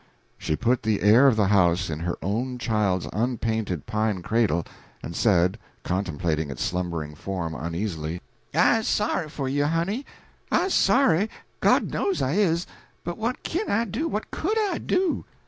She put the heir of the house in her own child's unpainted pine cradle, and said, contemplating its slumbering form uneasily "I's sorry for you, honey; I's sorry, God knows I is, but what kin I do, what could I do?